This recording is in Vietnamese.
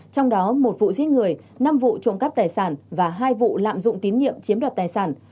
trong đó một vụ giết người năm vụ trộm cắp tài sản và hai vụ lạm dụng tín nhiệm chiếm đoạt tài sản